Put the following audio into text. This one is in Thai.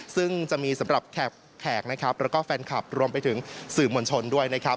ซึ่งจะมีสำหรับแขกนะครับแล้วก็แฟนคลับรวมไปถึงสื่อมวลชนด้วยนะครับ